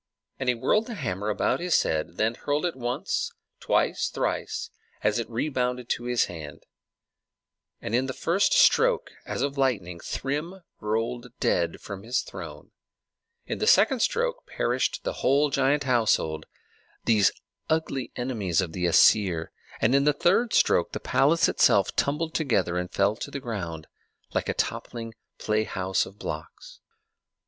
And he whirled the hammer about his head, then hurled it once, twice, thrice, as it rebounded to his hand; and in the first stroke, as of lightning, Thrym rolled dead from his throne; in the second stroke perished the whole giant household, these ugly enemies of the Æsir; and in the third stroke the palace itself tumbled together and fell to the ground like a toppling play house of blocks.